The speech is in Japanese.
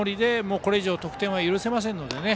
これ以上得点は許せませんのでね。